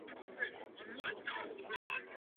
Zpívat začala již ve velmi útlém věku.